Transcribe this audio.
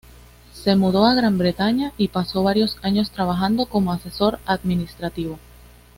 Se mudó a Gran Bretaña y pasó varios años trabajando como asesor administrativo.